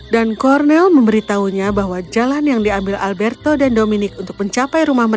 dan cornell memberitahunya bahwa jalan yang diambil alberto dan dominic untuk mencapai rumahnya